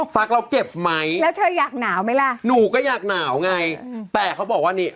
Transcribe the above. ฟักเราเจ็บไหมแล้วเธออยากหนาวไหมล่ะหนูก็อยากหนาวไงแต่เขาบอกว่านี่